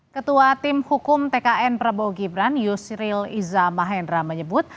ketua tim hukum tkn prabowo gibran yusril iza mahendra menyebut